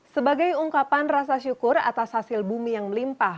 sebagai ungkapan rasa syukur atas hasil bumi yang melimpah